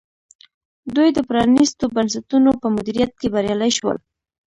دوی د پرانیستو بنسټونو په مدیریت کې بریالي شول.